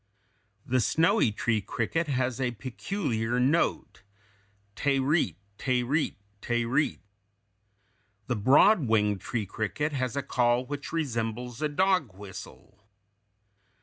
The snowy tree cricket has a peculiar note, te reat, te reat, te reat. The broad winged tree cricket has a call which resembles a dog whistle.